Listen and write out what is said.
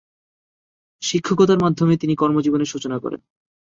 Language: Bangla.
শিক্ষকতার মাধ্যমে তিনি কর্মজীবনের সূচনা করেন।